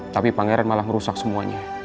tapi pangeran malah merusak semuanya